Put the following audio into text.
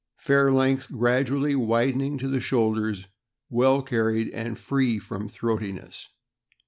— Fair length, gradually widening to the shoulders, well carried, and free from throatiness.